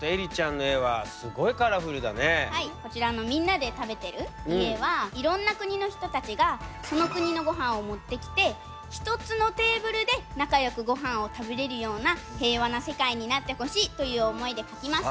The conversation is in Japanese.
こちらのみんなで食べてる家はいろんな国の人たちがその国のごはんを持ってきて１つのテーブルで仲よくごはんを食べれるような平和な世界になってほしいという思いで描きました。